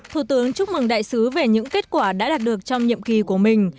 thủ tướng chúc mừng đại sứ về những kết quả đã đạt được trong nhiệm kỳ của mình